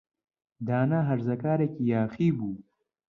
دانا هەرزەکارێکی یاخی بوو.